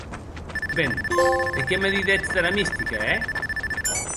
Ben, e qué me didetz dera mistica, è?